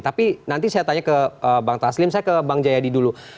tapi nanti saya tanya ke bang taslim saya ke bang jayadi dulu